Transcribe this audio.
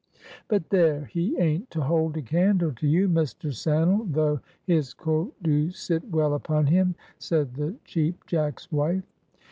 "But there, he ain't to hold a candle to you, Mr. Sannel, though his coat do sit well upon him," said the Cheap Jack's wife.